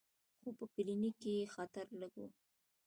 خو په کلینیک کې خطر لږ و.